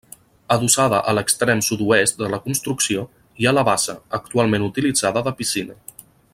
Adossada a l'extrem sud-oest de la construcció hi ha la bassa, actualment utilitzada de piscina.